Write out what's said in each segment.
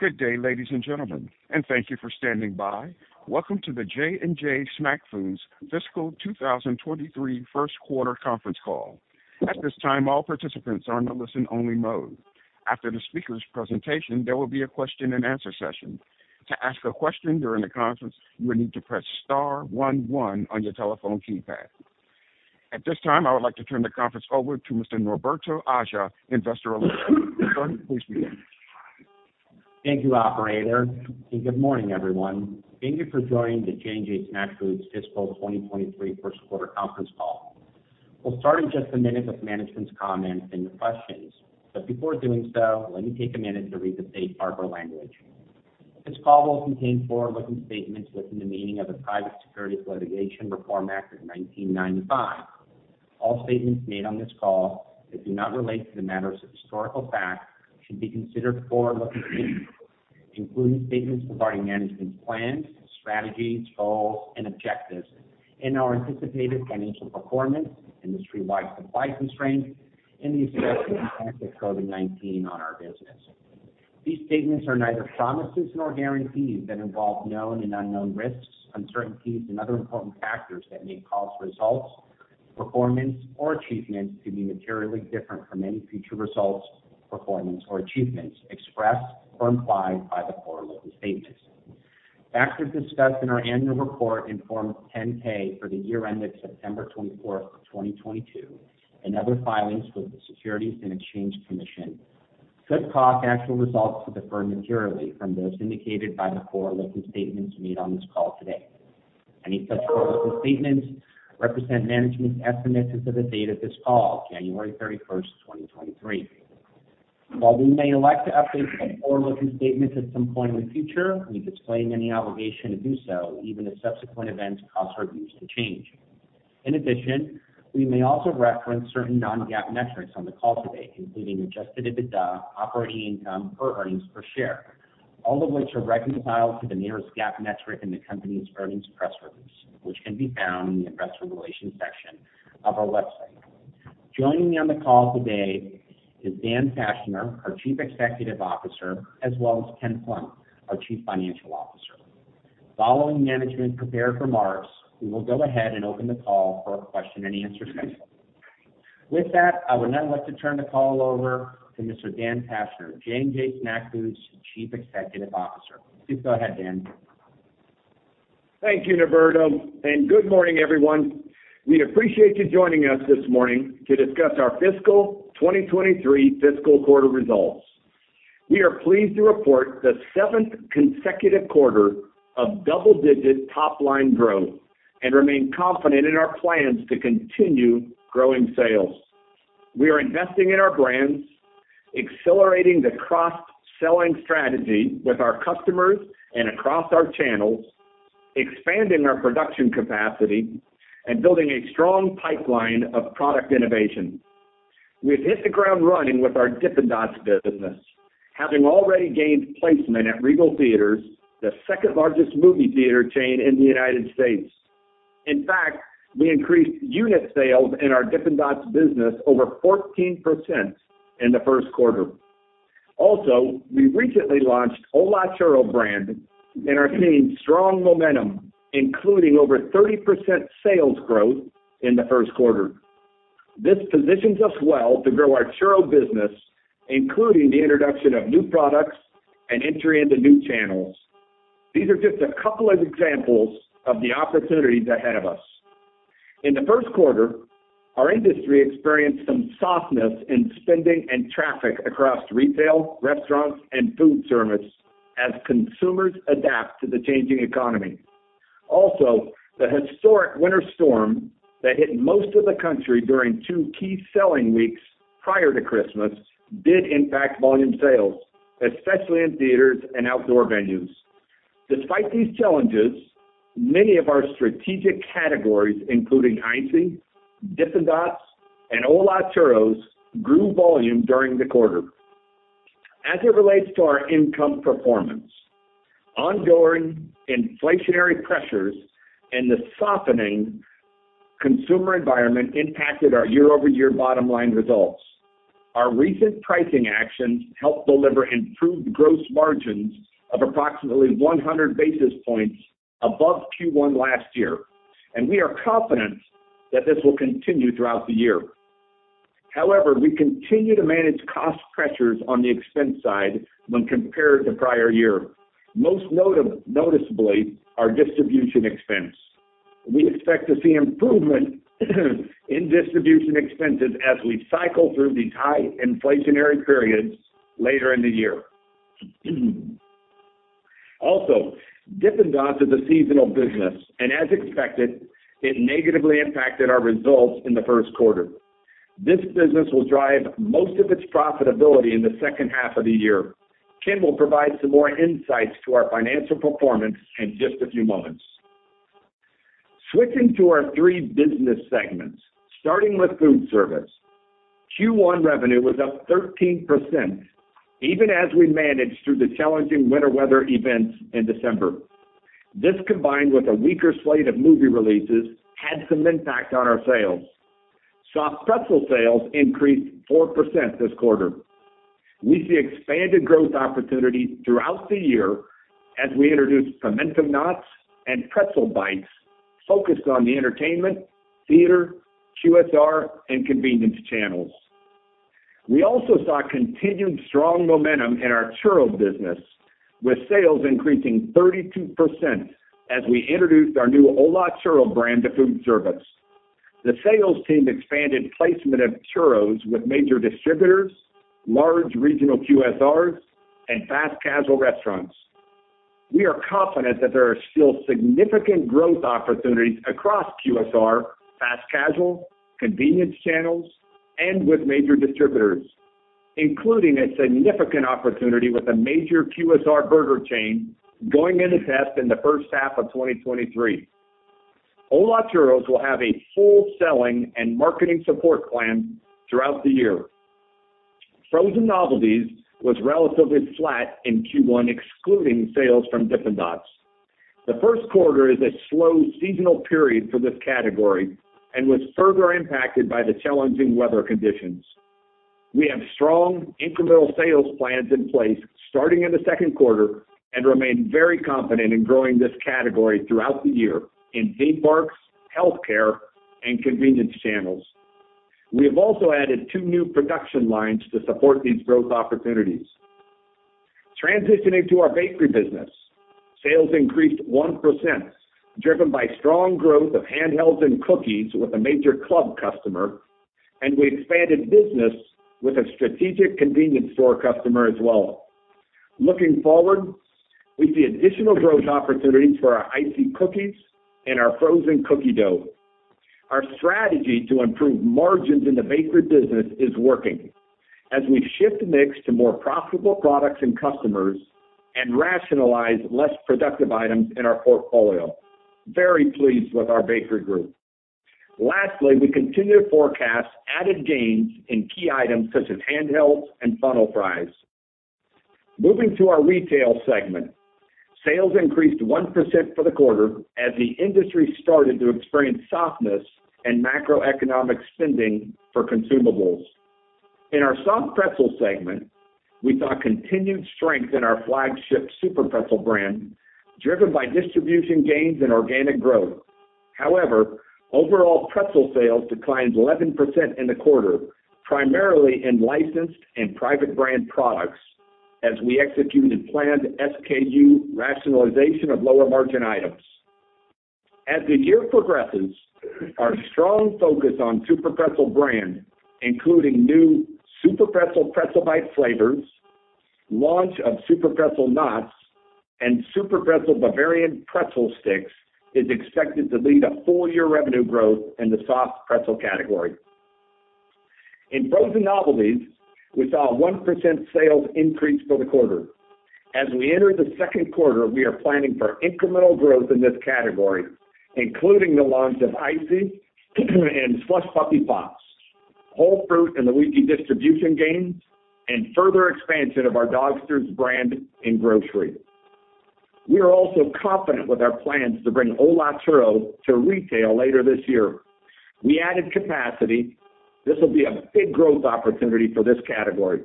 Good day, ladies and gentlemen, and thank you for standing by. Welcome to the J&J Snack Foods fiscal 2023 first quarter conference call. At this time, all participants are in a listen-only mode. After the speaker's presentation, there will be a question-and-answer session. To ask a question during the conference, you will need to press star 11 on your telephone keypad. At this time, I would like to turn the conference over to Mr. Norberto Aja, Investor Relations. Norberto, please begin. Thank you, operator, and good morning, everyone. Thank you for joining the J&J Snack Foods fiscal 2023 first quarter conference call. We'll start in just a minute with management's comments and the questions. Before doing so, let me take a minute to read the safe harbor language. This call will contain forward-looking statements within the meaning of the Private Securities Litigation Reform Act of 1995. All statements made on this call that do not relate to the matters of historical fact should be considered forward-looking statements, including statements regarding management's plans, strategies, goals, and objectives, and our anticipated financial performance, industry-wide supply constraints, and the expected impact of COVID-19 on our business. These statements are neither promises nor guarantees that involve known and unknown risks, uncertainties and other important factors that may cause results, performance or achievements to be materially different from any future results, performance or achievements expressed or implied by the forward-looking statements. Facts are discussed in our annual report and Form 10-K for the year ended September 24th, 2022, and other filings with the Securities and Exchange Commission, could cause actual results to differ materially from those indicated by the forward-looking statements made on this call today. Any such forward-looking statements represent management's estimates as of the date of this call, January 31st, 2023. While we may elect to update such forward-looking statements at some point in the future, we disclaim any obligation to do so, even if subsequent events cause our views to change. In addition, we may also reference certain non-GAAP metrics on the call today, including Adjusted EBITDA, operating income, or earnings per share, all of which are reconciled to the nearest GAAP metric in the company's earnings press release, which can be found in the investor relations section of our website. Joining me on the call today is Dan Fachner, our Chief Executive Officer, as well as Ken Plunk, our Chief Financial Officer. Following management prepared remarks, we will go ahead and open the call for a question-and-answer session. I would now like to turn the call over to Mr. Dan Fachner, J&J Snack Foods's Chief Executive Officer. Please go ahead, Dan. Thank you, Norberto. Good morning, everyone. We appreciate you joining us this morning to discuss our fiscal 2023 fiscal quarter results. We are pleased to report the seventh consecutive quarter of double-digit top-line growth and remain confident in our plans to continue growing sales. We are investing in our brands, accelerating the cross-selling strategy with our customers and across our channels, expanding our production capacity, and building a strong pipeline of product innovation. We've hit the ground running with our Dippin' Dots business, having already gained placement at Regal Cinemas, the second-largest movie theater chain in the United States. In fact, we increased unit sales in our Dippin' Dots business over 14% in the first quarter. We recently launched ¡Hola! Churros brand and are seeing strong momentum, including over 30% sales growth in the first quarter. This positions us well to grow our churro business, including the introduction of new products and entry into new channels. These are just a couple of examples of the opportunities ahead of us. In the first quarter, our industry experienced some softness in spending and traffic across retail, restaurants, and food service as consumers adapt to the changing economy. Also, the historic winter storm that hit most of the country during two key selling weeks prior to Christmas did impact volume sales, especially in theaters and outdoor venues. Despite these challenges, many of our strategic categories, including ICEE, Dippin' Dots, and ¡Hola! Churros, grew volume during the quarter. As it relates to our income performance, ongoing inflationary pressures and the softening consumer environment impacted our year-over-year bottom-line results. Our recent pricing actions helped deliver improved gross margins of approximately 100 basis points above Q1 last year. We are confident that this will continue throughout the year. We continue to manage cost pressures on the expense side when compared to prior year, most notably our distribution expense. We expect to see improvement in distribution expenses as we cycle through these high inflationary periods later in the year. Dippin' Dots is a seasonal business. As expected, it negatively impacted our results in the first quarter. This business will drive most of its profitability in the H2 of the year. Ken will provide some more insights to our financial performance in just a few moments. Switching to our three business segments, starting with food service, Q1 revenue was up 13%, even as we managed through the challenging winter weather events in December. This, combined with a weaker slate of movie releases, had some impact on our sales. Soft pretzel sales increased 4% this quarter. We see expanded growth opportunities throughout the year as we introduce momentum Knots and Pretzel Bites focused on the entertainment, theater, QSR, and convenience channels. We also saw continued strong momentum in our churro business with sales increasing 32% as we introduced our new ¡Hola! Churro brand to food service. The sales team expanded placement of churros with major distributors, large regional QSRs, and fast-casual restaurants. We are confident that there are still significant growth opportunities across QSR, fast casual, convenience channels, and with major distributors, including a significant opportunity with a major QSR burger chain going into test in the H1 of 2023. ¡Hola! Churros will have a full selling and marketing support plan throughout the year. Frozen Novelties was relatively flat in Q1, excluding sales from Dippin' Dots. The first quarter is a slow seasonal period for this category and was further impacted by the challenging weather conditions. We have strong incremental sales plans in place starting in the second quarter and remain very confident in growing this category throughout the year in theme parks, healthcare, and convenience channels. We have also added 2 new production lines to support these growth opportunities. Transitioning to our bakery business, sales increased 1%, driven by strong growth of handhelds and cookies with a major club customer, and we expanded business with a strategic convenience store customer as well. Looking forward, we see additional growth opportunities for our ICEE cookies and our frozen cookie dough. Our strategy to improve margins in the bakery business is working as we shift mix to more profitable products and customers and rationalize less productive items in our portfolio. Very pleased with our bakery group. We continue to forecast added gains in key items such as handhelds and Funnel Cake Fries. Moving to our retail segment, sales increased 1% for the quarter as the industry started to experience softness and macroeconomic spending for consumables. In our soft pretzel segment, we saw continued strength in our flagship SUPERPRETZEL brand, driven by distribution gains and organic growth. Overall pretzel sales declined 11% in the quarter, primarily in licensed and private brand products as we executed planned SKU rationalization of lower margin items. As the year progresses, our strong focus on SUPERPRETZEL brand, including new SUPERPRETZEL Pretzel Bite flavors, launch of SUPERPRETZEL Knots, and SUPERPRETZEL Bavarian Pretzel Sticks, is expected to lead a full year revenue growth in the soft pretzel category. In Frozen Novelties, we saw a 1% sales increase for the quarter. As we enter the second quarter, we are planning for incremental growth in this category, including the launch of ICEE and SLUSH PUPPIE Pops, Whole Fruit in the weekly distribution gains, and further expansion of our Dogsters brand in grocery. We are also confident with our plans to bring ¡Hola! Churro to retail later this year. We added capacity. This will be a big growth opportunity for this category.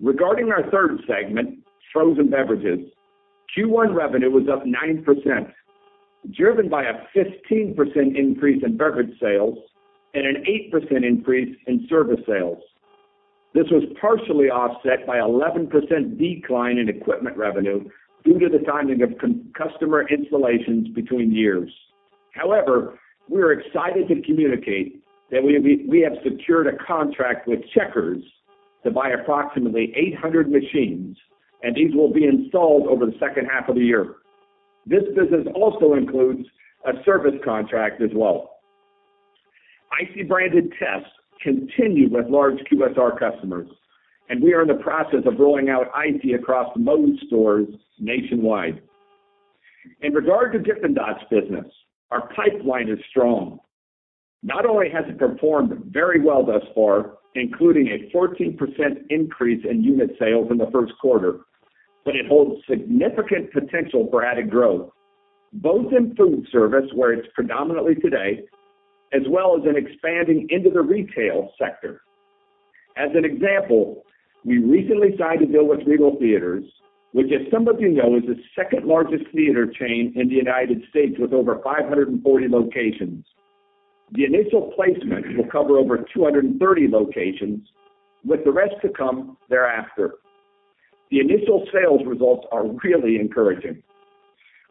Regarding our third segment, Frozen Beverages, Q1 revenue was up 9%, driven by a 15% increase in beverage sales and an 8% increase in service sales. This was partially offset by 11% decline in equipment revenue due to the timing of customer installations between years. However, we're excited to communicate that we have secured a contract with Checkers to buy approximately 800 machines, and these will be installed over the H2 of the year. This business also includes a service contract as well. ICEE-branded tests continue with large QSR customers, and we are in the process of rolling out ICEE across the Moto stores nationwide. In regard to Dippin' Dots business, our pipeline is strong. Not only has it performed very well thus far, including a 14% increase in unit sales in the first quarter, but it holds significant potential for added growth, both in food service, where it's predominantly today, as well as in expanding into the retail sector. As an example, we recently signed a deal with Regal Cinemas, which as some of is the second largest theater chain in the United States with over 540 locations. The initial placement will cover over 230 locations, with the rest to come thereafter. The initial sales results are really encouraging.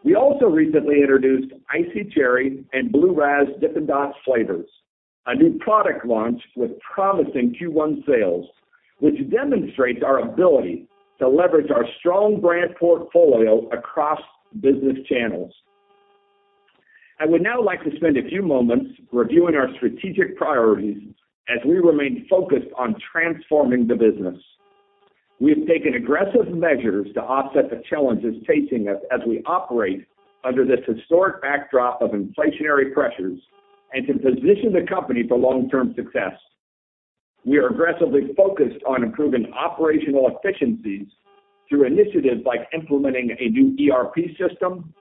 We also recently introduced ICEE Cherry and Blue Razz Dippin' Dots flavors, a new product launch with promising Q1 sales, which demonstrates our ability to leverage our strong brand portfolio across business channels. I would now like to spend a few moments reviewing our strategic priorities as we remain focused on transforming the business. We have taken aggressive measures to offset the challenges facing us as we operate under this historic backdrop of inflationary pressures and to position the company for long-term success. We are aggressively focused on improving operational efficiencies through initiatives like implementing a new ERP system,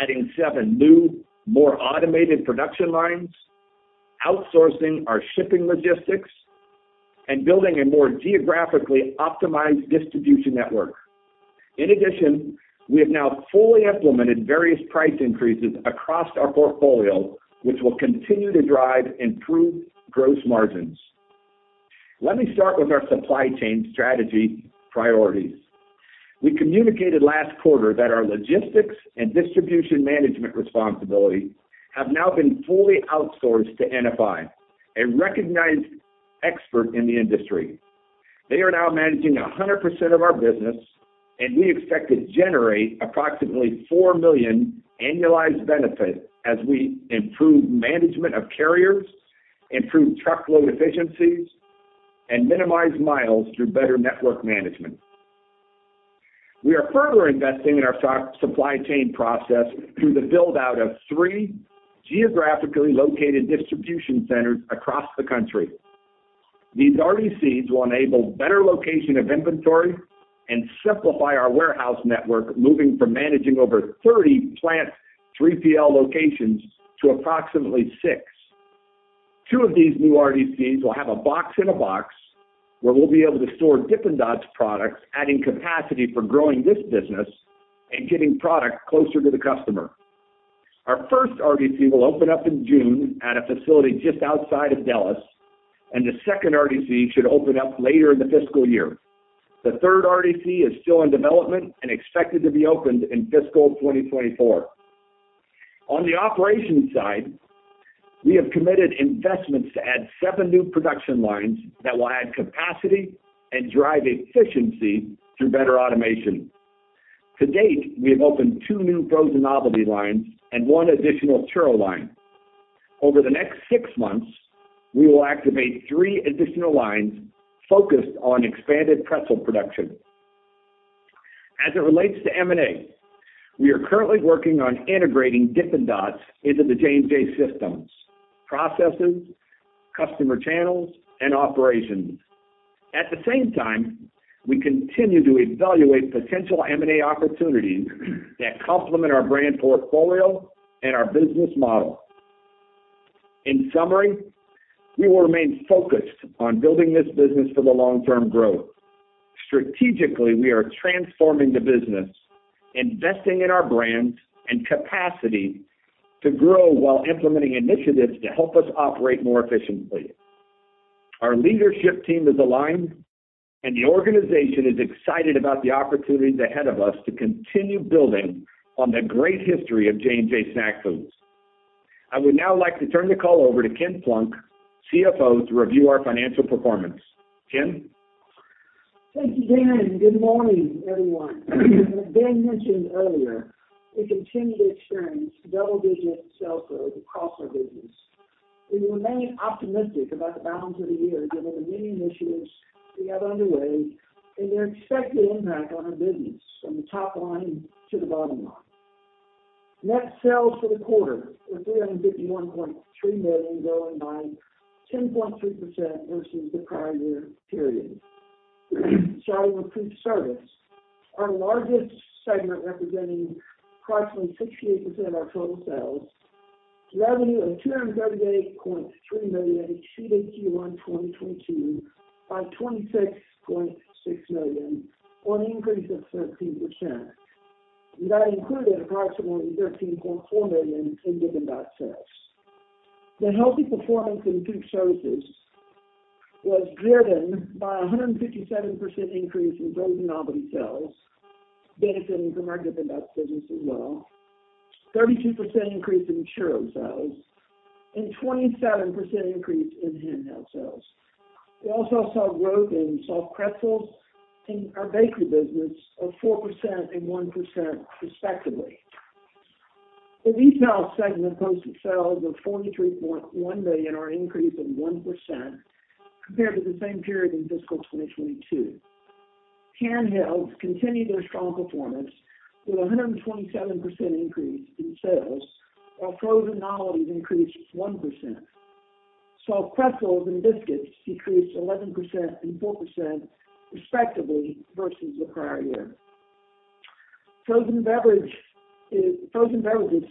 adding 7 new, more automated production lines, outsourcing our shipping logistics, and building a more geographically optimized distribution network. In addition, we have now fully implemented various price increases across our portfolio, which will continue to drive improved gross margins. Let me start with our supply chain strategy priorities. We communicated last quarter that our logistics and distribution management responsibility have now been fully outsourced to NFI, a recognized expert in the industry. They are now managing 100% of our business. We expect to generate approximately $4 million annualized benefit as we improve management of carriers, improve truckload efficiencies, and minimize miles through better network management. We are further investing in our supply chain process through the build-out of 3 geographically located distribution centers across the country. These RDCs will enable better location of inventory and simplify our warehouse network, moving from managing over 30 plant 3PL locations to approximately 6. 2 of these new RDCs will have a box-in-a-box, where we'll be able to store Dippin' Dots products, adding capacity for growing this business and getting product closer to the customer. Our first RDC will open up in June at a facility just outside of Dallas. The second RDC should open up later in the fiscal year. The third RDC is still in development and expected to be opened in fiscal 2024. On the operations side, we have committed investments to add 7 new production lines that will add capacity and drive efficiency through better automation. To date, we have opened 2 new frozen novelty lines and 1 additional churro line. Over the next 6 months, we will activate 3 additional lines focused on expanded pretzel production. As it relates to M&A, we are currently working on integrating Dippin' Dots into the J&J systems, processes, customer channels, and operations. At the same time, we continue to evaluate potential M&A opportunities that complement our brand portfolio and our business model. In summary, we will remain focused on building this business for the long-term growth. Strategically, we are transforming the business, investing in our brands and capacity to grow while implementing initiatives to help us operate more efficiently. Our leadership team is aligned. The organization is excited about the opportunities ahead of us to continue building on the great history of J&J Snack Foods. I would now like to turn the call over to Ken Plunk, CFO, to review our financial performance. Ken. Thank you, Dan. Good morning, everyone. As Dan mentioned earlier, we continue to experience double-digit sales growth across our business. We remain optimistic about the balance of the year given the many initiatives we have underway and their expected impact on our business from the top line to the bottom line. Net sales for the quarter were $351.3 million, growing by 10.3% versus the prior year period. Starting with food service, our largest segment representing approximately 68% of our total sales, revenue of $238.3 million exceeded Q1 2022 by $26.6 million, or an increase of 13%. That included approximately $13.4 million in Dippin' Dots sales. The healthy performance in food services was driven by a 157% increase in frozen novelty sales, benefiting the market of the Dots business as well, 32% increase in churro sales, and 27% increase in handheld sales. We also saw growth in soft pretzels in our bakery business of 4% and 1% respectively. The retail segment posted sales of $43.1 million or an increase of 1% compared to the same period in fiscal 2022. Handhelds continued their strong performance with a 127% increase in sales, while frozen novelties increased 1%. Soft pretzels and biscuits decreased 11% and 4%, respectively, versus the prior year. Frozen beverages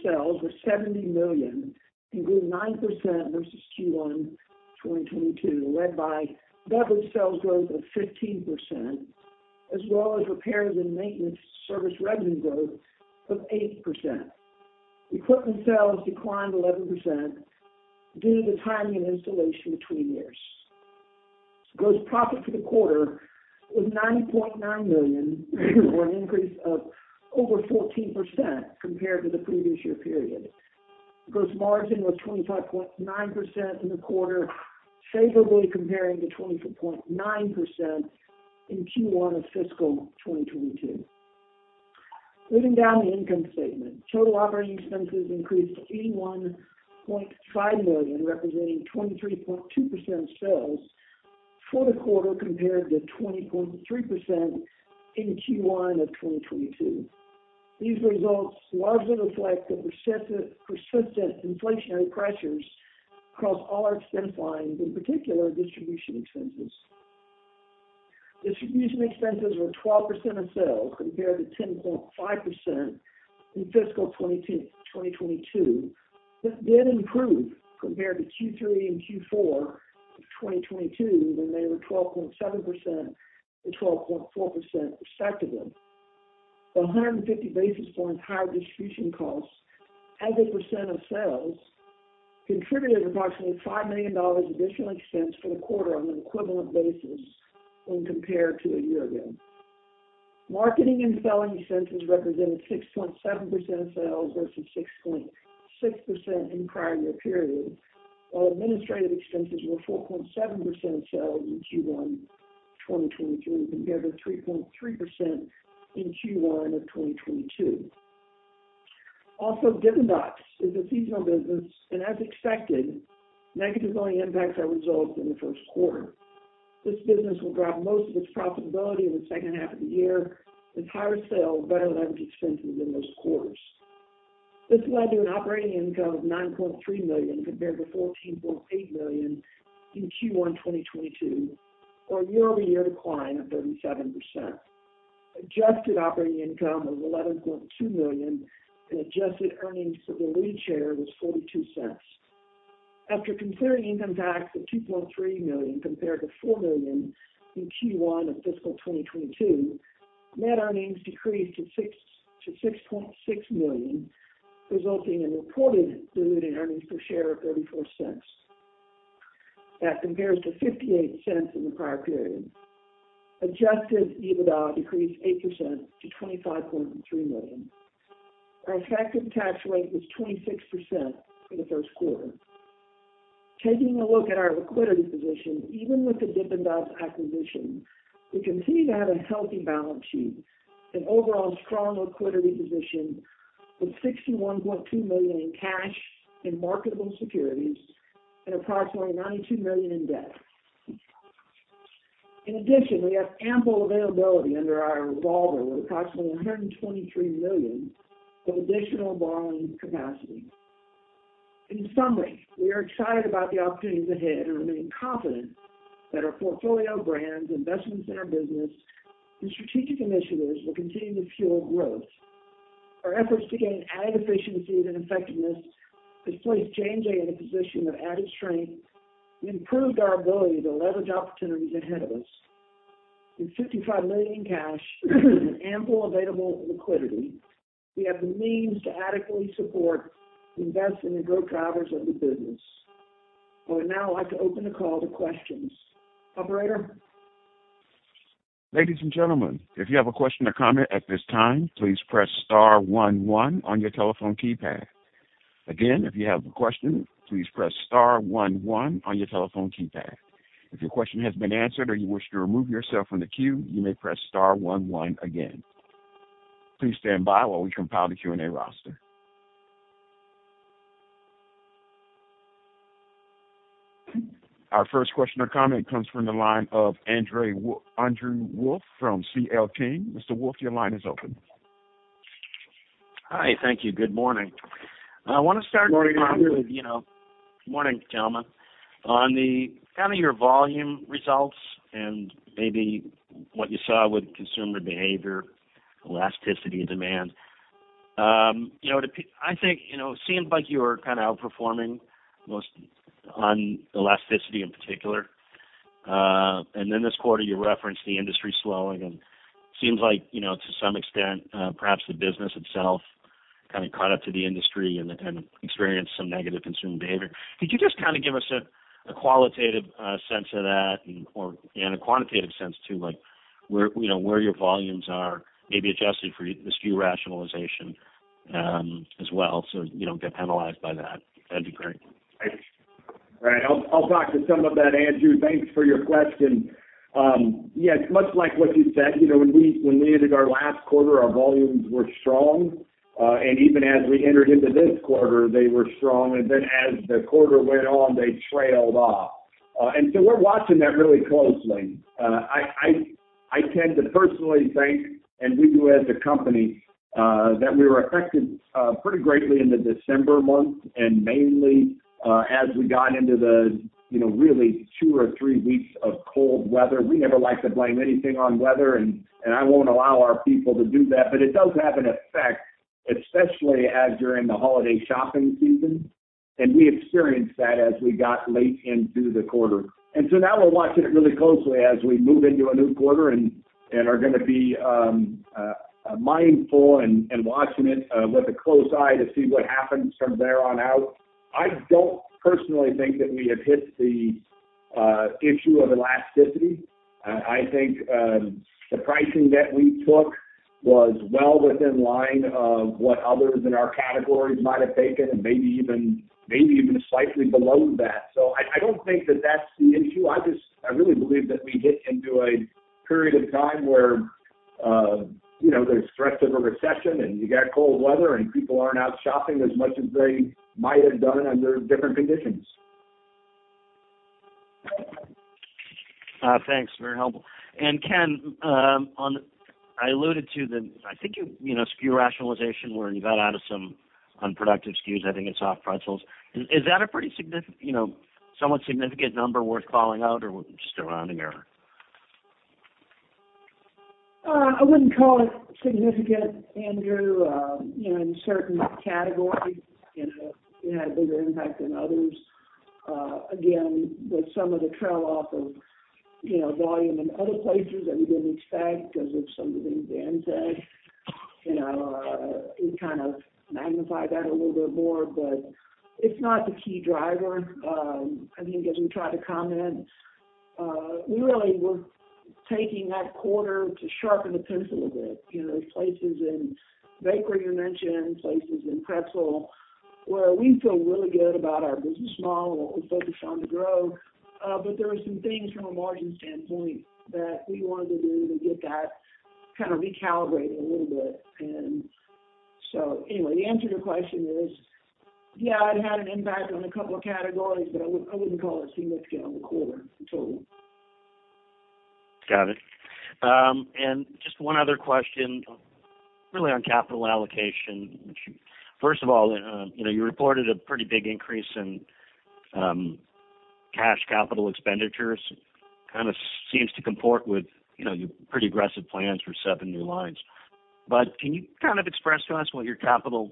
sales were $70 million, including 9% versus Q1 2022, led by beverage sales growth of 15%, as well as repairs and maintenance service revenue growth of 8%. Equipment sales declined 11% due to the timing and installation between years. Gross profit for the quarter was $9.9 million, or an increase of over 14% compared to the previous year period. Gross margin was 25.9% in the quarter, favorably comparing to 20.9% in Q1 of fiscal 2022. Moving down the income statement. Total operating expenses increased to $81.5 million, representing 23.2% of sales for the quarter compared to 20.3% in Q1 of 2022. These results largely reflect the persistent inflationary pressures across all our expense lines, in particular distribution expenses. Distribution expenses were 12% of sales compared to 10.5% in fiscal 2022. This did improve compared to Q3 and Q4 of 2022 when they were 12.7% and 12.4% respectively. The 150 basis points higher distribution costs as a percent of sales contributed approximately $5 million additional expense for the quarter on an equivalent basis when compared to a year ago. Marketing and selling expenses represented 6.7% of sales versus 6.6% in prior year period, while administrative expenses were 4.7% of sales in Q1 2023 compared to 3.3% in Q1 of 2022. Also, Dippin' Dots is a seasonal business and as expected, negatively impacts our results in the first quarter. This business will drive most of its profitability in the H2 of the year with higher sales, better leverage expenses in those quarters. This led to an operating income of $9.3 million compared to $14.8 million in Q1 2022 or a year-over-year decline of 37%. Adjusted EBITDA was $11.2 million and adjusted earnings for the lead share was $0.42. After considering income tax of $2.3 million compared to $4 million in Q1 of fiscal 2022, net earnings decreased to $6.6 million, resulting in reported diluted earnings per share of $0.34. That compares to $0.58 in the prior period. Adjusted EBITDA decreased 8% to $25.3 million. Our effective tax rate was 26% for the first quarter. Taking a look at our liquidity position, even with the Dippin' Dots acquisition, we continue to have a healthy balance sheet and overall strong liquidity position with $61.2 million in cash and marketable securities and approximately $92 million in debt. In addition, we have ample availability under our revolver with approximately $123 million of additional borrowing capacity. In summary, we are excited about the opportunities ahead and remain confident that our portfolio of brands, investments in our business and strategic initiatives will continue to fuel growth. Our efforts to gain added efficiencies and effectiveness has placed J&J in a position of added strength and improved our ability to leverage opportunities ahead of us. With $55 million in cash and ample available liquidity, we have the means to adequately support, invest in the growth drivers of the business. I would now like to open the call to questions. Operator? Ladies and gentlemen, if you have a question or comment at this time, please press star 11 on your telephone keypad. Again, if you have a question, please press star 11 on your telephone keypad. If your question has been answered or you wish to remove yourself from the queue, you may press star 11 again. Please stand by while we compile the Q&A roster. Our first question or comment comes from the line of Andrew Wolf from CLT. Mr. Wolf, your line is open. Hi. Thank you. Good morning. I want to start- Morning, Andrew. Morning, gentlemen. On the, kind of, your volume results and maybe what you saw with consumer behavior, elasticity of demand., I think seems like you were kind of outperforming most on elasticity in particular. This quarter you referenced the industry slowing and seems like to some extent, perhaps the business itself kind of caught up to the industry and experienced some negative consumer behavior. Could you just kind of give us a qualitative sense of that and a quantitative sense too, like where where your volumes are maybe adjusted for SKU rationalization as well, so you don't get penalized by that? That'd be great. Right. I'll talk to some of that, Andrew. Thanks for your question. Yeah, it's much like what you said. When we ended our last quarter, our volumes were strong. Even as we entered into this quarter, they were strong. Then as the quarter went on, they trailed off. We're watching that really closely. I tend to personally think, and we do as a company, that we were affected pretty greatly in the December month and mainly as we got into the really two or three weeks of cold weather. We never like to blame anything on weather and I won't allow our people to do that, but it does have an effect, especially as during the holiday shopping season. We experienced that as we got late into the quarter. Now we're watching it really closely as we move into a new quarter and are gonna be mindful and watching it with a close eye to see what happens from there on out. I don't personally think that we have hit the issue of elasticity. I think the pricing that we took was well within line of what others in our categories might have taken and maybe even slightly below that. I don't think that that's the issue. I really believe that we hit into a period of time where there's threats of a recession and you got cold weather and people aren't out shopping as much as they might have done under different conditions. Thanks. Very helpful. Ken, I alluded to the, I think, SKU rationalization, where you got out of some unproductive SKUs, I think in soft pretzels. Is that a pretty somewhat significant number worth calling out, or just a rounding error? I wouldn't call it significant, Andrew. In certain categories it had a bigger impact than others. Again, with some of the trail off of volume in other places that we didn't expect because of some of the things Dan said it kind of magnified that a little bit more, but it's not the key driver. I think as we tried to comment, we really were taking that quarter to sharpen the pencil a bit. There's places in bakery you mentioned, places in pretzel, where we feel really good about our business model, what we're focused on to grow. There are some things from a margin standpoint that we wanted to do to get that kind of recalibrated a little bit. Anyway, the answer to your question is, yeah, it had an impact on a couple of categories, but I wouldn't call it significant on the quarter total. Got it. Just one other question, really on capital allocation, which first of all you reported a pretty big increase in cash capital expenditures. Kind of seems to comport with your pretty aggressive plans for seven new lines. Can you kind of express to us what your capital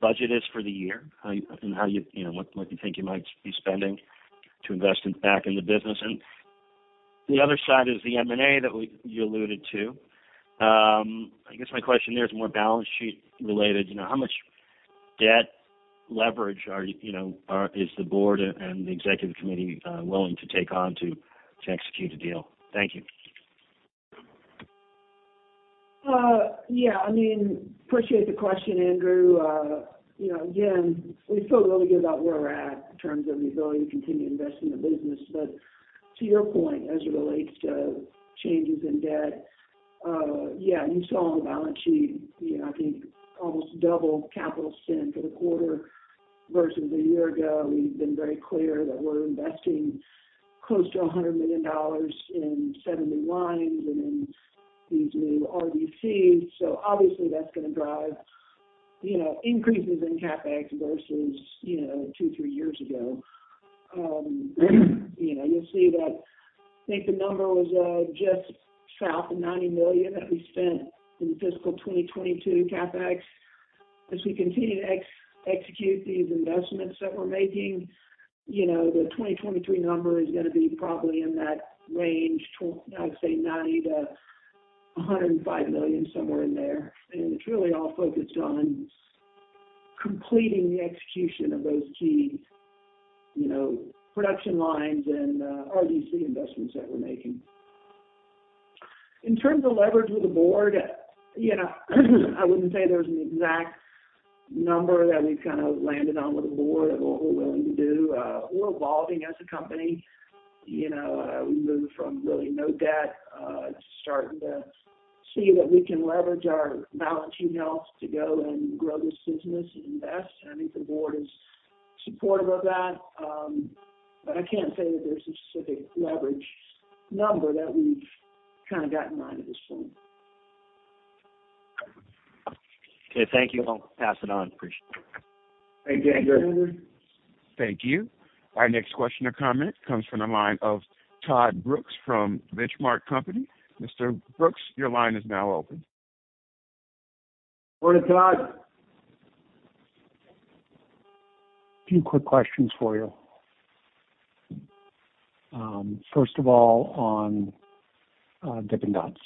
budget is for the year? How, what you think you might be spending to invest in back in the business? The other side is the M&A that you alluded to. I guess my question there is more balance sheet related. How much debt leverage are is the board and the executive committee willing to take on to execute a deal? Thank you. Appreciate the question, Andrew., again, we feel really good about where we're at in terms of the ability to continue investing in the business. To your point, as it relates to changes in debt, you saw on the balance sheet I think almost double capital spend for the quarter versus a year ago. We've been very clear that we're investing close to $100 million in 7 new lines and in these new RDCs. Obviously, that's gonna drive increases in CapEx versus two, three years ago. You'll see that I think the number was just south of $90 million that we spent in fiscal 2022 CapEx. As we continue to execute these investments that we're making the 2023 number is gonna be probably in that range $90 million-$105 million, somewhere in there. It's really all focused on completing the execution of those key production lines and RDC investments that we're making. In terms of leverage with the board I wouldn't say there's an exact number that we've kind of landed on with the board of what we're willing to do. We're evolving as a company., we moved from really no debt, starting to see that we can leverage our balance sheet health to go and grow this business and invest. I think the board is supportive of that. I can't say that there's a specific leverage number that we've kinda got in mind at this point. Okay. Thank you. I'll pass it on. Appreciate it. Thank you, Andrew. Thank you. Our next question or comment comes from the line of Todd Brooks from The Benchmark Company. Mr. Brooks, your line is now open. Morning, Todd. A few quick questions for you. First of all, on Dippin' Dots.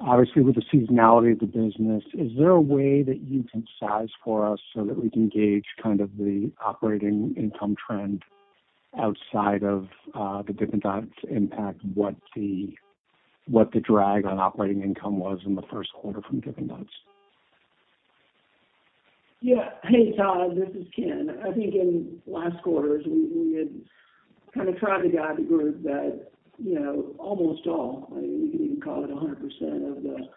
Obviously, with the seasonality of the business, is there a way that you can size for us so that we can gauge kind of the operating income trend outside of the Dippin' Dots impact, what the drag on operating income was in the first quarter from Dippin' Dots? Yeah. Hey, Todd, this is Ken. I think in last quarters, we had kind of tried to guide the group that almost all, I mean, you could even call it 100% of the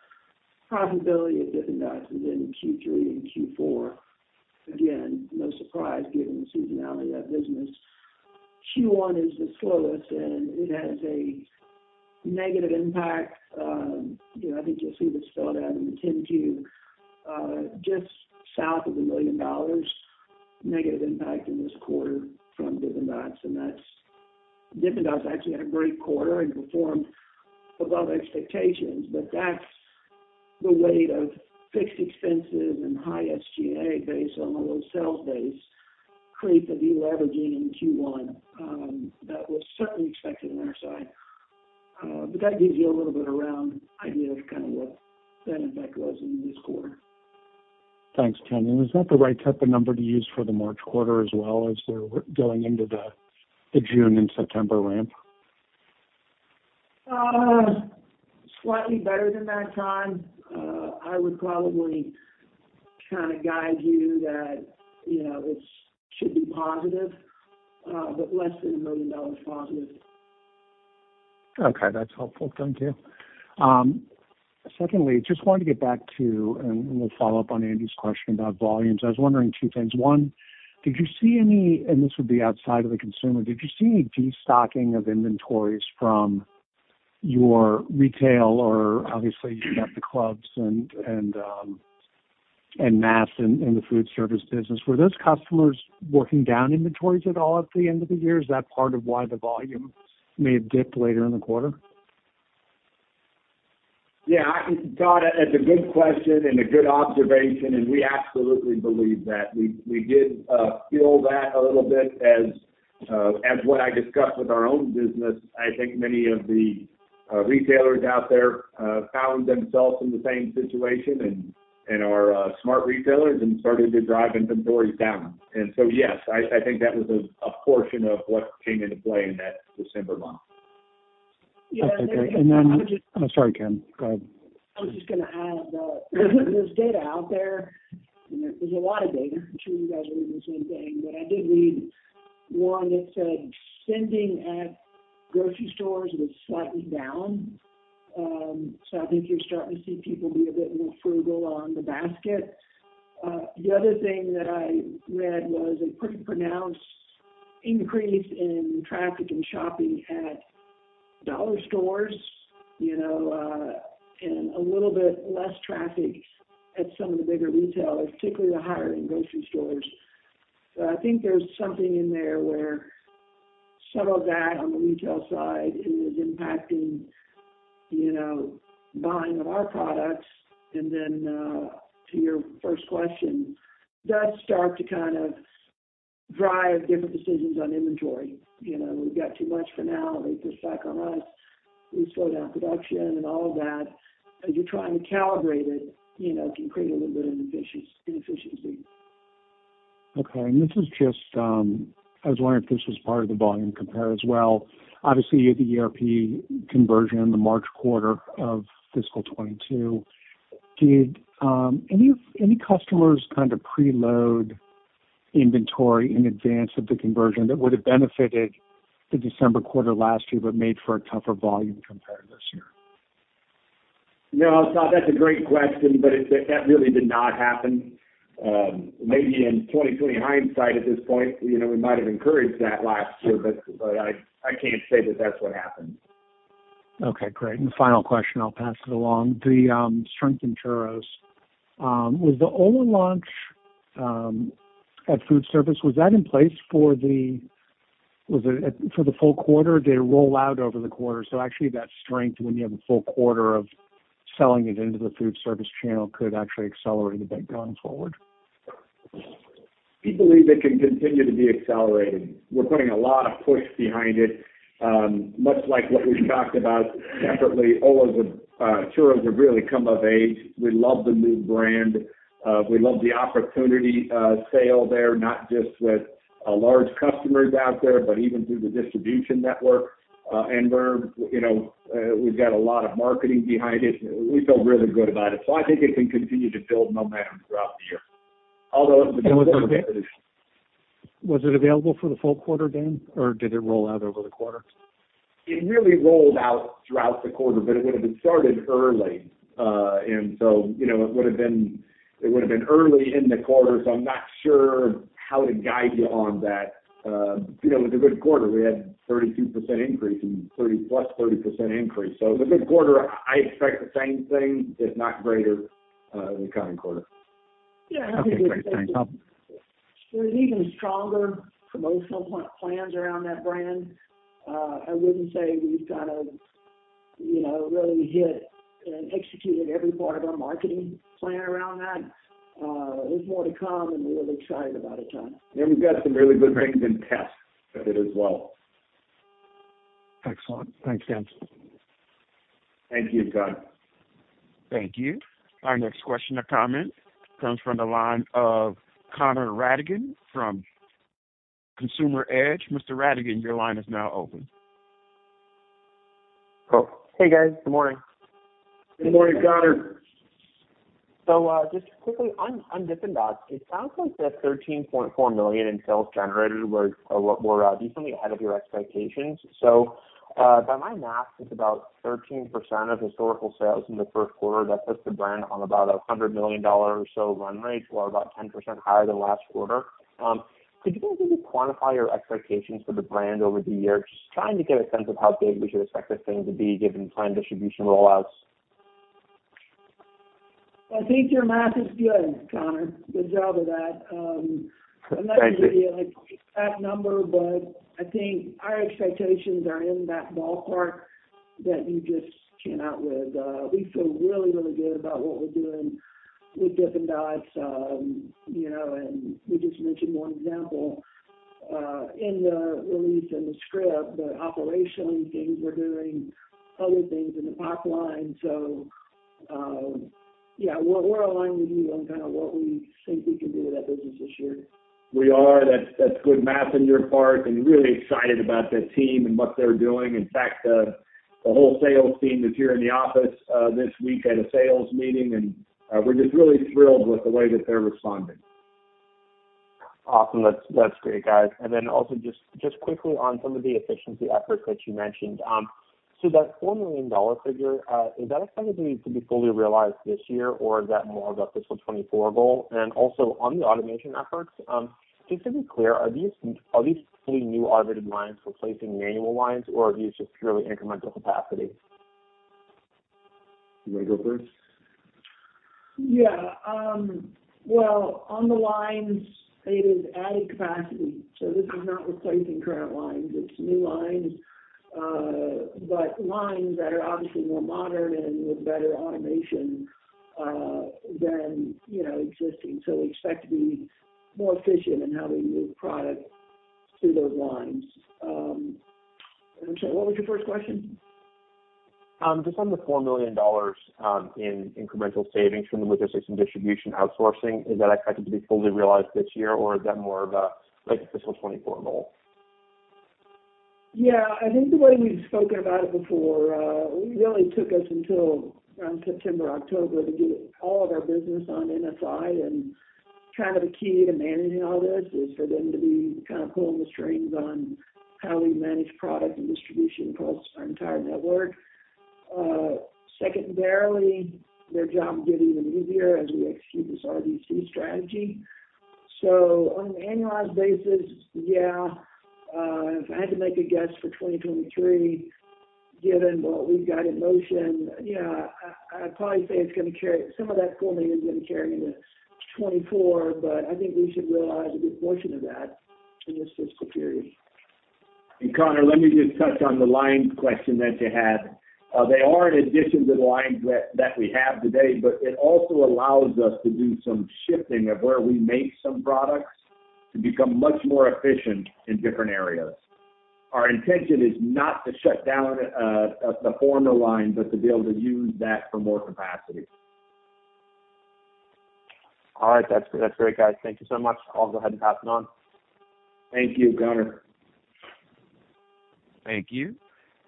profitability at Dippin' Dots is in Q3 and Q4. Again, no surprise given the seasonality of that business. Q1 is the slowest, and it has a negative impact. I think you'll see this spelled out in the 10-Q, just south of $1 million negative impact in this quarter from Dippin' Dots, and that's. Dippin' Dots actually had a great quarter and performed above expectations. That's the weight of fixed expenses and high SGA based on a low sales base create the deleveraging in Q1 that was certainly expected on our side. That gives you a little bit of a round idea of kind of what that impact was in this quarter. Thanks, Ken. Is that the right type of number to use for the March quarter as well as we're going into the June and September ramp? Slightly better than that, Todd. I would probably kinda guide you that should be positive, but less than $1 million positive. Okay. That's helpful. Thank you. Secondly, just wanted to get back to, and we'll follow up on Andre's question about volumes. I was wondering two things. One, and this would be outside of the consumer, did you see any destocking of inventories from your retail or obviously you've got the clubs and mass in the food service business. Were those customers working down inventories at all at the end of the year? Is that part of why the volume may have dipped later in the quarter? Yeah, Todd, that's a good question and a good observation. We absolutely believe that. We did feel that a little bit as what I discussed with our own business. I think many of the retailers out there found themselves in the same situation and are smart retailers and started to drive inventories down. Yes, I think that was a portion of what came into play in that December month. Okay. Yeah, I would Oh, sorry, Ken. Go ahead. I was just gonna add, there's data out there, and there's a lot of data. I'm sure you guys are reading the same thing, but I did read one that said, spending at grocery stores was slightly down. I think you're starting to see people be a bit more frugal on the basket. The other thing that I read was a pretty pronounced increase in traffic and shopping at dollar stores and a little bit less traffic at some of the bigger retailers, particularly the higher-end grocery stores. I think there's something in there where some of that on the retail side is impacting buying of our products. Then, to your first question, does start to kind of drive different decisions on inventory., we've got too much for now, they push back on us, we slow down production and all of that. As you're trying to calibrate it it can create a little bit of inefficiency. Okay. This is just, I was wondering if this was part of the volume compare as well. Obviously, you had the ERP conversion in the March quarter of fiscal 2022. Did any customers kind of preload inventory in advance of the conversion that would've benefited the December quarter last year, but made for a tougher volume compare this year? No, Todd, that's a great question, but that really did not happen. Maybe in 2020 hindsight at this point we might have encouraged that last year, but I can't say that that's what happened. Okay, great. Final question, I'll pass it along. The strength in Churros was the ¡Hola! launch at food service, was that in place for the full quarter? Did it roll out over the quarter? Actually that strength when you have a full quarter of selling it into the food service channel could actually accelerate a bit going forward. We believe it can continue to be accelerating. We're putting a lot of push behind it. Much like what we've talked about separately, ¡Hola! Churros have really come of age. We love the new brand. We love the opportunity sale there, not just with large customers out there, but even through the distribution network. we're we've got a lot of marketing behind it. We feel really good about it. I think it can continue to build momentum throughout the year. Was it available for the full quarter, Dan, or did it roll out over the quarter? It really rolled out throughout the quarter, but it would've been started early. It would've been early in the quarter, so I'm not sure how to guide you on that. It was a good quarter. We had 32% increase and plus 30% increase. It was a good quarter. I expect the same thing, if not greater, in the coming quarter. Yeah. Okay, great. Thanks. There's even stronger promotional plans around that brand. I wouldn't say we've kind of really hit and executed every part of our marketing plan around that. There's more to come, and we're really excited about it, Todd. We've got some really good things in test with it as well. Excellent. Thanks, Dan. Thank you, Todd. Thank you. Our next question or comment comes from the line of Connor Rattigan from Consumer Edge. Mr. Rattigan, your line is now open. Cool. Hey, guys. Good morning. Good morning, Connor. Just quickly on Dippin' Dots, it sounds like the $13.4 million in sales generated was a lot more, decently ahead of your expectations. By my math, it's about 13% of historical sales in the first quarter. That puts the brand on about a $100 million or so run rate or about 10% higher than last quarter. Could you kind of maybe quantify your expectations for the brand over the year? Just trying to get a sense of how big we should expect this thing to be given planned distribution rollouts. I think your math is good, Connor. Good job with that. Thank you. I'm not gonna give you, like, an exact number, but I think our expectations are in that ballpark that you just came out with. We feel really, really good about what we're doing with Dippin' Dots. And we just mentioned one example, in the release in the script, the operational things we're doing, other things in the pipeline. Yeah, we're aligned with you on kinda what we think we can do with that business this year. We are. That's good math on your part, and really excited about the team and what they're doing. In fact, the whole sales team is here in the office this week at a sales meeting, and we're just really thrilled with the way that they're responding. Awesome. That's, that's great, guys. Also just quickly on some of the efficiency efforts that you mentioned. That $4 million figure is that expected to be fully realized this year or is that more of a fiscal 2024 goal? Also on the automation efforts, just to be clear, are these fully new automated lines replacing manual lines or are these just purely incremental capacity? You wanna go first? Well, on the lines, it is added capacity, so this is not replacing current lines. It's new lines, but lines that are obviously more modern and with better automation than existing. We expect to be more efficient in how we move product through those lines. I'm sorry, what was your first question? Just on the $4 million in incremental savings from the logistics and distribution outsourcing, is that expected to be fully realized this year or is that more of a, like, a fiscal 24 goal? Yeah. I think the way we've spoken about it before, it really took us until around September, October to get all of our business on NFI. The key to managing all this is for them to be kind of pulling the strings on how we manage product and distribution across our entire network. Secondarily, their job will get even easier as we execute this RDC strategy. On an annualized basis, yeah, if I had to make a guess for 2023, given what we've got in motion, yeah, I'd probably say some of that formula is gonna carry into 2024, but I think we should realize a good portion of that in this fiscal period. Connor, let me just touch on the line question that you had. They are in addition to the lines that we have today, but it also allows us to do some shifting of where we make some products to become much more efficient in different areas. Our intention is not to shut down the former lines, but to be able to use that for more capacity. All right. That's great, guys. Thank you so much. I'll go ahead and pass it on. Thank you, Connor. Thank you.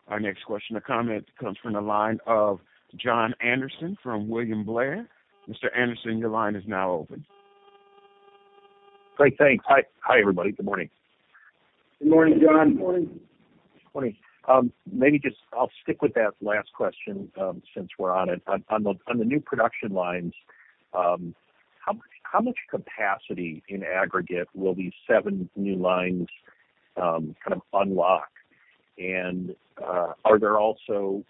Our next question or comment comes from the line of Jon Andersen from William Blair. Mr. Anderson, your line is now open. Great. Thanks. Hi, hi, everybody. Good morning. Good morning, Jon. Morning. Morning. Maybe just I'll stick with that last question since we're on it. On the new production lines, how much capacity in aggregate will these 7 new lines kind of unlock? Are there also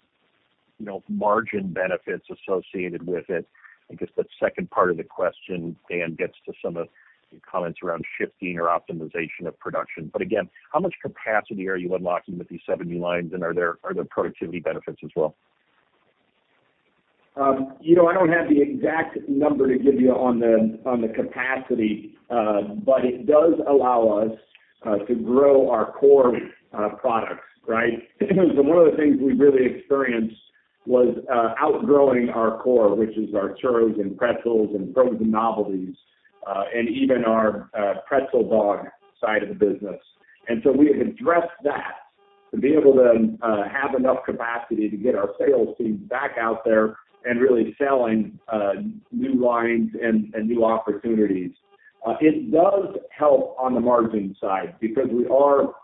margin benefits associated with it? I guess the second part of the question, Dan, gets to some of your comments around shifting or optimization of production. Again, how much capacity are you unlocking with these 7 new lines and are there productivity benefits as well?, I don't have the exact number to give you on the capacity, but it does allow us to grow our core products, right? One of the things we really experienced was outgrowing our core, which is our churros and pretzels and frozen novelties, and even our PretzelDogs side of the business. We have addressed that to be able to have enough capacity to get our sales team back out there and really selling new lines and new opportunities. It does help on the margin side because we are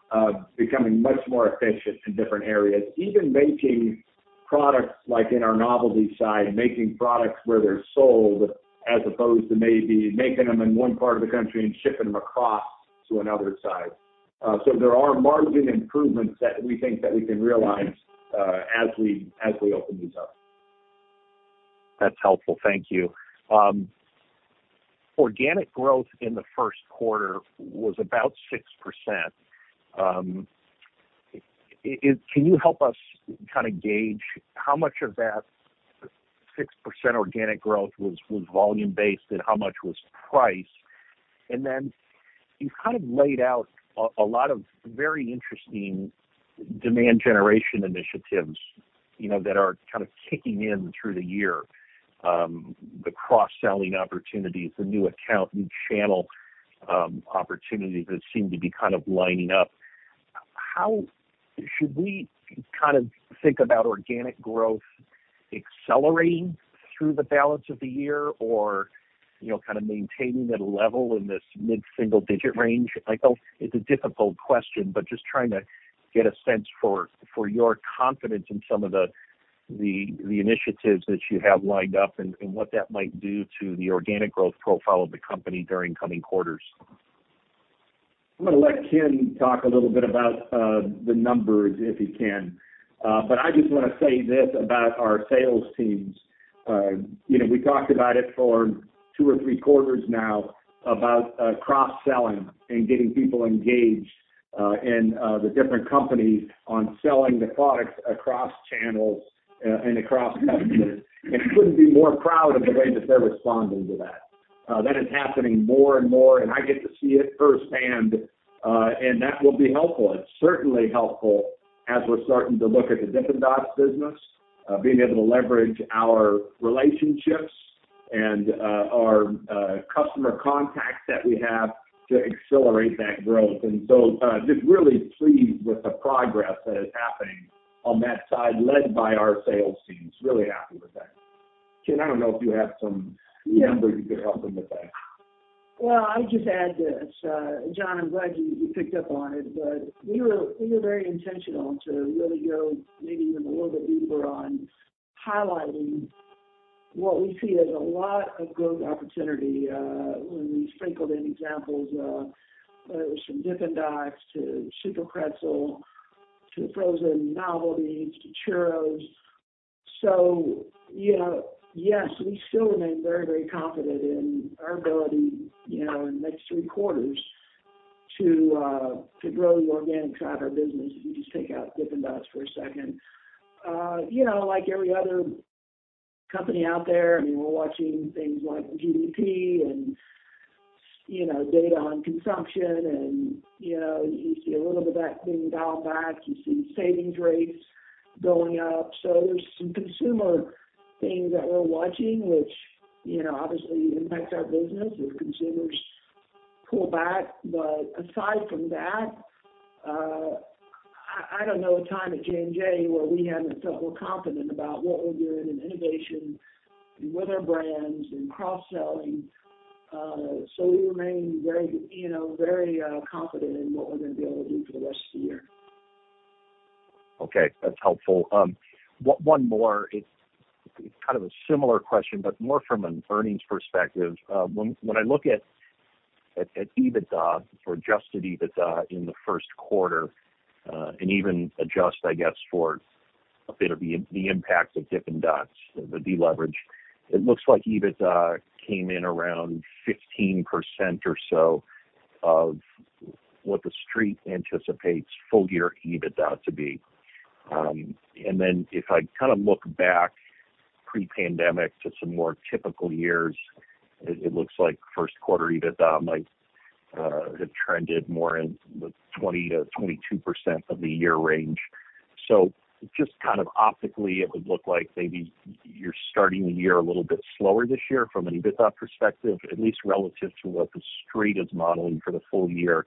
becoming much more efficient in different areas. Even making products, like in our novelty side, making products where they're sold, as opposed to maybe making them in one part of the country and shipping them across to another side. There are margin improvements that we think that we can realize as we open these up. That's helpful. Thank you. Organic growth in the first quarter was about 6%. Can you help us kinda gauge how much of that 6% organic growth was volume-based and how much was price? Then you kind of laid out a lot of very interesting demand generation initiatives that are kind of kicking in through the year. The cross-selling opportunities, the new account, new channel, opportunities that seem to be kind of lining up. Should we kind of think about organic growth accelerating through the balance of the year or kind of maintaining at a level in this mid-single digit range? I know it's a difficult question, just trying to get a sense for your confidence in some of the initiatives that you have lined up and what that might do to the organic growth profile of the company during coming quarters. I'm gonna let Ken talk a little bit about the numbers, if he can. I just wanna say this about our sales teams. We talked about it for two or three quarters now about cross-selling and getting people engaged in the different companies on selling the products across channels and across customers, and couldn't be more proud of the way that they're responding to that. That is happening more and more, and I get to see it firsthand, and that will be helpful. It's certainly helpful as we're starting to look at the Dippin' Dots business, being able to leverage our relationships and our customer contacts that we have to accelerate that growth. Just really pleased with the progress that is happening on that side, led by our sales teams. Really happy with that. Ken, I don't know if you have some numbers you could help him with that. Well, I'll just add this. Jon, I'm glad you picked up on it, but we were very intentional to really go maybe even a little bit deeper on highlighting what we see as a lot of growth opportunity, when we sprinkled in examples of some Dippin' Dots to SUPERPRETZEL to frozen novelties to churros., yes, we still remain very, very confident in our ability in the next 3 quarters to grow the organic side of our business. If you just take out Dippin' Dots for a second., like every other company out there, I mean, we're watching things like GDP and data on consumption and you see a little bit of that being dialed back. You see savings rates going up. There's some consumer things that we're watching, which obviously impact our business if consumers pull back. Aside from that, I don't know a time at J&J where we haven't felt more confident about what we're doing in innovation and with our brands and cross-selling. We remain very very confident in what we're gonna be able to do for the rest of the year. Okay, that's helpful. One more. It's kind of a similar question, but more from an earnings perspective. When I look at EBITDA or Adjusted EBITDA in the first quarter, and even adjust, I guess, for a bit of the impact of Dippin' Dots, the deleverage, it looks like EBITDA came in around 15% or so of what the street anticipates full year EBITDA to be. If I kind of look back pre-pandemic to some more typical years, it looks like first quarter EBITDA might have trended more in the 20%-22% of the year range. Just kind of optically, it would look like maybe you're starting the year a little bit slower this year from an EBITDA perspective, at least relative to what the street is modeling for the full year.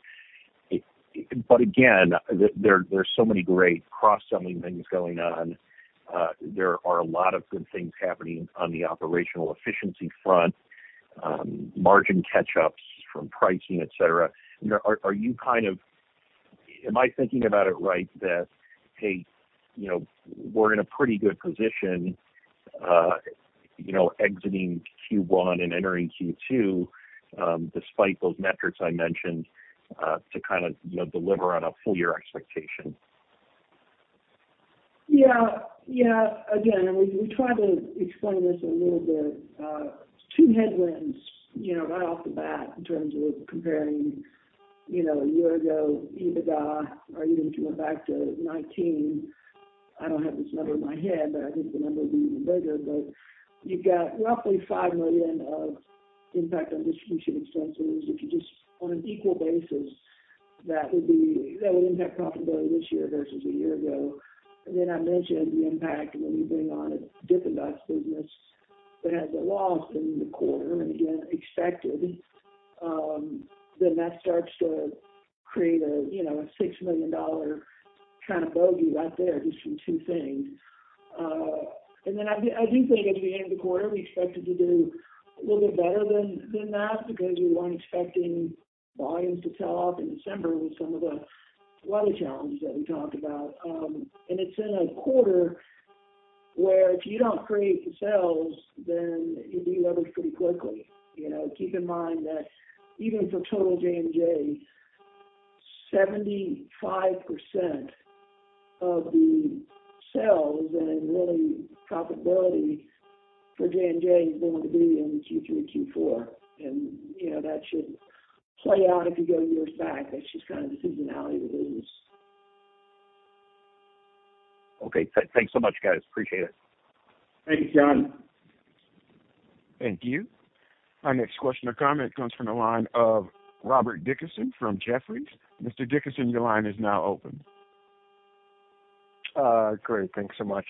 Again, there's so many great cross-selling things going on. There are a lot of good things happening on the operational efficiency front, margin catch-ups from pricing, et cetera. Am I thinking about it right that, hey we're in a pretty good position exiting Q1 and entering Q2, despite those metrics I mentioned, to kind of deliver on a full year expectation? Yeah. Yeah. Again, we tried to explain this a little bit. Two headwinds right off the bat in terms of comparing a year ago EBITDA, or even if you went back to 19, I don't have this number in my head, but I think the number would be even bigger. You've got roughly $5 million of impact on distribution expenses. If you just on an equal basis, that would impact profitability this year versus a year ago. Then I mentioned the impact when you bring on a Dippin' Dots business that has a loss in the quarter, and again, expected, then that starts to create a a $6 million kind of bogey right there, just from two things. Then I do think as we end the quarter, we expected to do a little bit better than that because we weren't expecting volumes to tail off in December with some of the weather challenges that we talked about. It's in a quarter where if you don't create the sales, then you deleverage pretty quickly., keep in mind that even for total J&J, 75% of the sales and really profitability for J&J is going to be in the Q3, Q4. That should play out if you go years back. That's just kind of the seasonality of the business. Okay. Thanks so much, guys. Appreciate it. Thanks, Jon. Thank you. Our next question or comment comes from the line of Robert Dickerson from Jefferies. Mr. Dickerson, your line is now open. great. Thanks so much.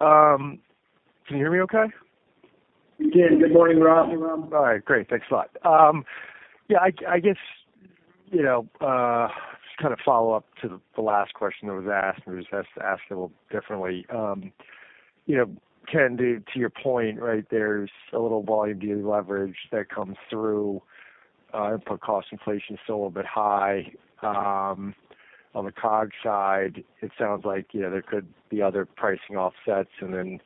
Can you hear me okay? We can. Good morning, Rob. All right. Great. Thanks a lot. Yeah, I guess just kind of follow up to the last question that was asked and just ask it a little differently. Ken, to your point, right? There's a little volume deleverage that comes through. Input cost inflation is still a little bit high. On the COG side, it sounds like there could be other pricing offsets. And then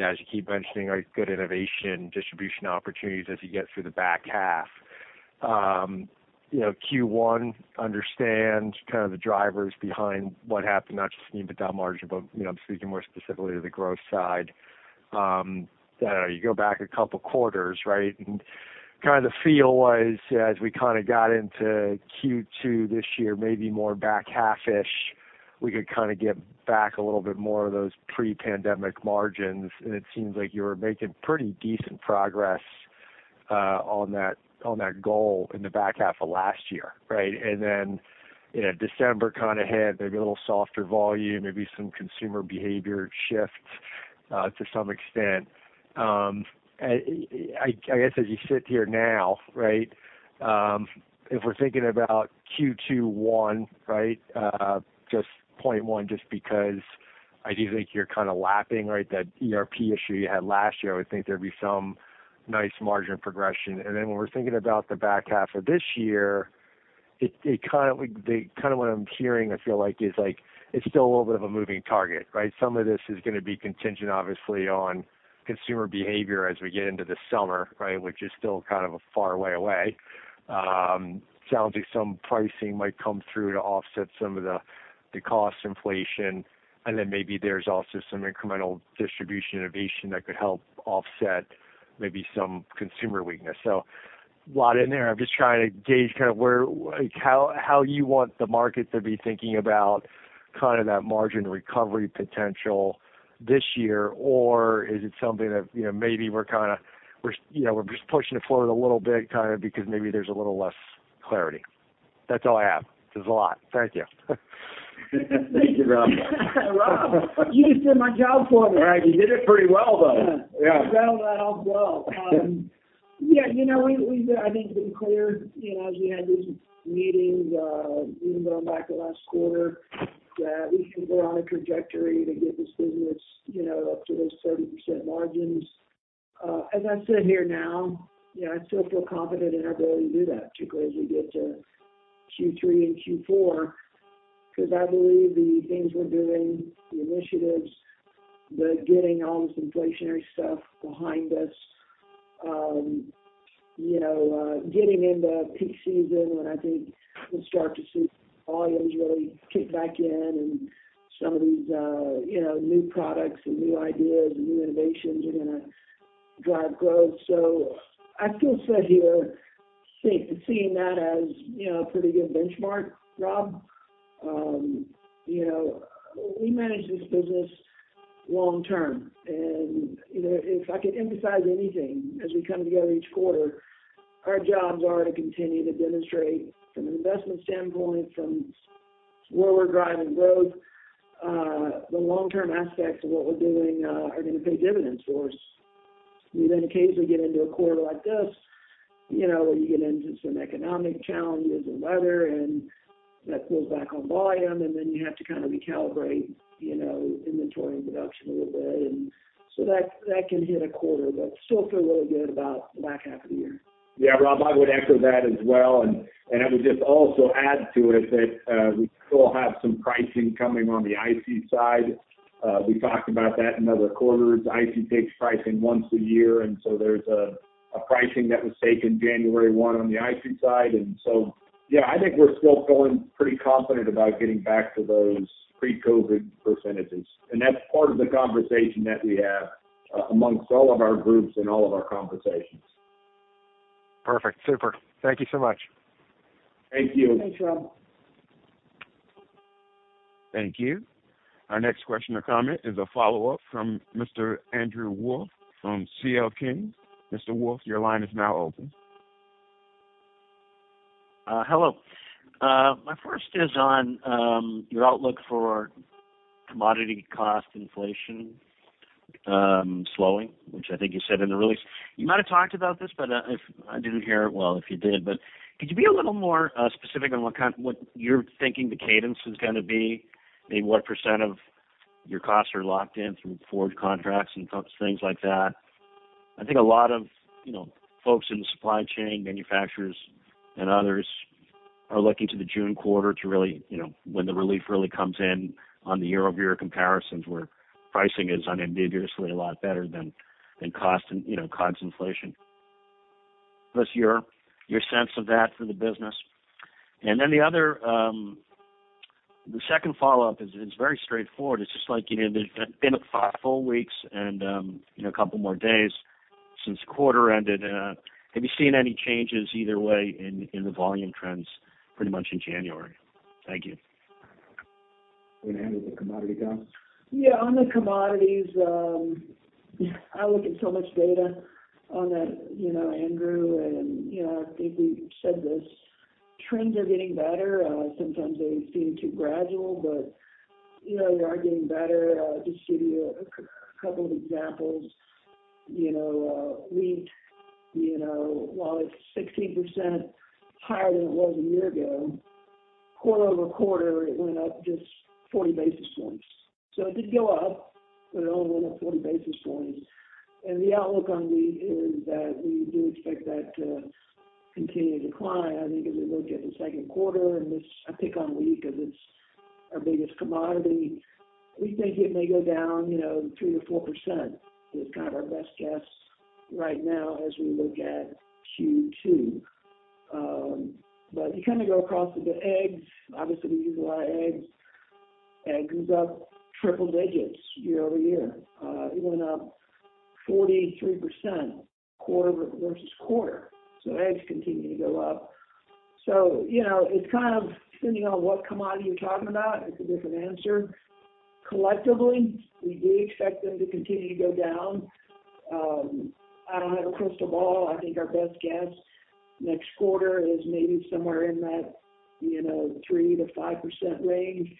as you keep mentioning, right, good innovation, distribution opportunities as you get through the back half. , Q1 understands kind of the drivers behind what happened, not just in the EBITDA margin, but, I'm speaking more specifically to the growth side. I don't know, you go back 2 quarters, right? Kinda the feel was as we kinda got into Q2 this year, maybe more back half-ish, we could kinda get back a little bit more of those pre-pandemic margins. It seems like you were making pretty decent progress on that goal in the back half of last year, right? then December kinda hit, maybe a little softer volume, maybe some consumer behavior shifts to some extent. I guess as you sit here now, right? If we're thinking about Q2 one, right? Just point one, just because I do think you're kind of lapping, right? That ERP issue you had last year. I would think there'd be some nice margin progression. When we're thinking about the back half of this year, it kind of what I'm hearing, I feel like, is like it's still a little bit of a moving target, right? Some of this is gonna be contingent, obviously, on consumer behavior as we get into the summer, right? Which is still kind of a far way away. Sounds like some pricing might come through to offset some of the cost inflation. Maybe there's also some incremental distribution innovation that could help offset maybe some consumer weakness. A lot in there. I'm just trying to gauge kind of where, like, how you want the market to be thinking about kind of that margin recovery potential this year. Is it something that maybe we're kinda we're just pushing the floor a little bit kinda because maybe there's a little less clarity. That's all I have. This is a lot. Thank you. Thank you, Rob. Rob, you just did my job for me. Right. He did it pretty well, though. Yeah. Well, that all well. yeah we've, I think, been clear as we had these meetings, even going back to last quarter, that we can go on a trajectory to get this business up to those 30% margins. As I sit here now I still feel confident in our ability to do that, particularly as we get to Q3 and Q4 'cause I believe the things we're doing, the initiatives, the getting all this inflationary stuff behind us getting into peak season when I think we'll start to see volumes really kick back in and some of these new products and new ideas and new innovations are gonna drive growth. I still sit here seeing that as a pretty good benchmark, Rob. , we manage this business long term. If I could emphasize anything as we come together each quarter, our jobs are to continue to demonstrate from an investment standpoint, from where we're driving growth, the long-term aspects of what we're doing, are gonna pay dividends for us. We then occasionally get into a quarter like this where you get into some economic challenges and weather and that pulls back on volume, and then you have to kind of recalibrate inventory and production a little bit. So that can hit a quarter. Still feel really good about the back half of the year. Yeah, Rob, I would echo that as well. I would just also add to it that we still have some pricing coming on the ICEE side. We talked about that in other quarters. ICEE takes pricing once a year, there's a pricing that was taken January 1 on the ICEE side. Yeah, I think we're still feeling pretty confident about getting back to those pre-COVID %. That's part of the conversation that we have amongst all of our groups and all of our conversations. Perfect. Super. Thank you so much. Thank you. Thanks, Rob. Thank you. Our next question or comment is a follow-up from Mr. Andrew Wolf from C.L. King. Mr. Wolf, your line is now open. Hello. My first is on your outlook for commodity cost inflation slowing, which I think you said in the release. You might have talked about this, but if I didn't hear it, well, if you did. Could you be a little more specific on what you're thinking the cadence is gonna be? Maybe what % of your costs are locked in through forward contracts and things like that. I think a lot of folks in the supply chain manufacturers and others are looking to the June quarter to really when the relief really comes in on the year-over-year comparisons, where pricing is unambiguously a lot better than cost and COGS inflation. What's your sense of that for the business? The other, the second follow-up is very straightforward. It's just like it's been 5 full weeks and a couple more days since the quarter ended. Have you seen any changes either way in the volume trends pretty much in January? Thank you. You wanna handle the commodity, Tom? Yeah. On the commodities, I look at so much data on that Andrew, and I think we said this. Trends are getting better. Sometimes they seem too gradual, but they are getting better. Just give you a couple of examples., wheat while it's 60% higher than it was a year ago, quarter-over-quarter, it went up just 40 basis points. It did go up, but it only went up 40 basis points. The outlook on wheat is that we do expect that to continue to decline. I think as we look at the second quarter I pick on wheat because it's our biggest commodity. We think it may go down 3%-4% is kind of our best guess right now as we look at Q2. You kind of go across with the eggs. Obviously, we use a lot of eggs. Eggs is up triple digits year-over-year. It went up 43% quarter versus quarter. Eggs continue to go up. It's kind of depending on what commodity you're talking about, it's a different answer. Collectively, we do expect them to continue to go down. I don't have a crystal ball. I think our best guess next quarter is maybe somewhere in that 3%-5% range.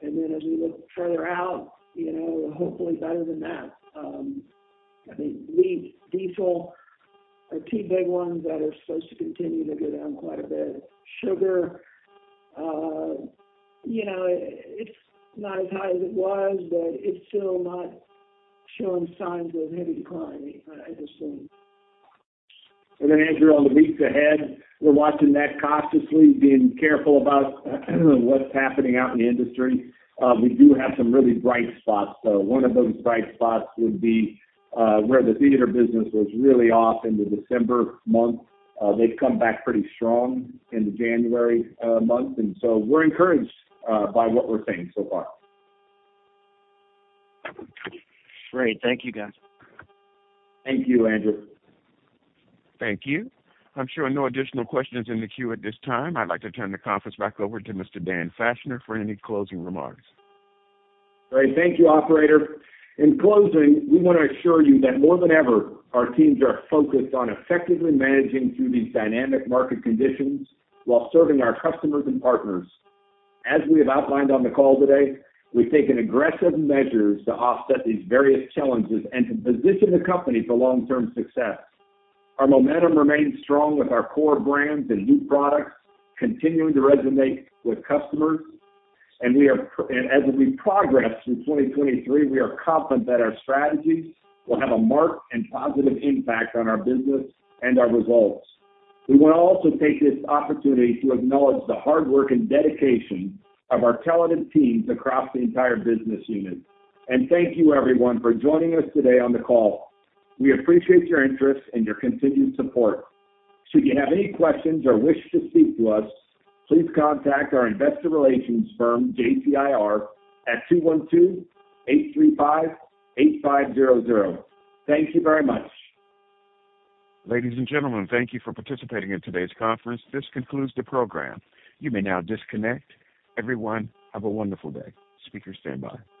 As we look further out hopefully better than that. I think wheat, diesel are two big ones that are supposed to continue to go down quite a bit. sugar it's not as high as it was, it's still not showing signs of heavy decline, I assume. Andrew, on the weeks ahead, we're watching that cautiously, being careful about what's happening out in the industry. We do have some really bright spots, though. One of those bright spots would be, where the theater business was really off into December month. They've come back pretty strong in the January month. We're encouraged, by what we're seeing so far. Great. Thank you, guys. Thank you, Andrew. Thank you. I'm showing no additional questions in the queue at this time. I'd like to turn the conference back over to Mr. Dan Fachner for any closing remarks. Great. Thank you, operator. In closing, we wanna assure you that more than ever, our teams are focused on effectively managing through these dynamic market conditions while serving our customers and partners. As we have outlined on the call today, we've taken aggressive measures to offset these various challenges and to position the company for long-term success. Our momentum remains strong with our core brands and new products continuing to resonate with customers. As we progress through 2023, we are confident that our strategies will have a marked and positive impact on our business and our results. We wanna also take this opportunity to acknowledge the hard work and dedication of our talented teams across the entire business unit. Thank you everyone for joining us today on the call. We appreciate your interest and your continued support. Should you have any questions or wish to speak to us, please contact our investor relations firm, JCIR, at 212-835-8500. Thank you very much. Ladies and gentlemen, thank you for participating in today's conference. This concludes the program. You may now disconnect. Everyone, have a wonderful day. Speakers stand by.